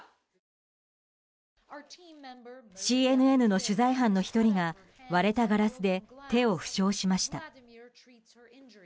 ＣＮＮの取材班の１人が割れたガラスで手を負傷しました。